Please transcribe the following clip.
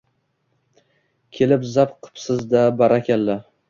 Kelib zap qipsizda. Barakalla.